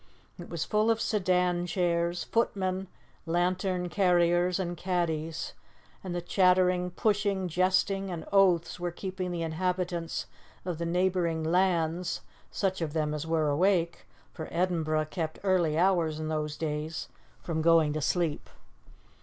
It was full of sedan chairs, footmen, lantern carriers and caddies, and the chattering, pushing, jesting, and oaths were keeping the inhabitants of the neighbouring 'lands' such of them as were awake, for Edinburgh kept early hours in those days from going to sleep.